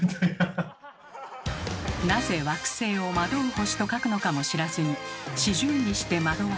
なぜ惑星を「惑う星」と書くのかも知らずに「四十にして惑わず」。